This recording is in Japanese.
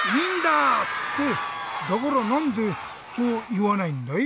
ってだからなんでそういわないんだい？